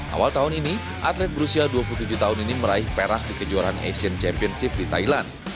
awal tahun ini atlet berusia dua puluh tujuh tahun ini meraih perak di kejuaraan asian championship di thailand